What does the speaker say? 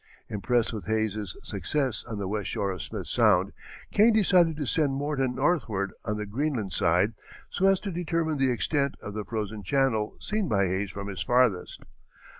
Impressed with Hayes's success on the west shore of Smith's Sound, Kane decided to send Morton northward on the Greenland side so as to determine the extent of the frozen channel seen by Hayes from his farthest.